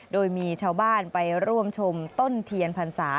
โดยมีชาวบ้านไปร่วมชมต้นเทียนพรรษา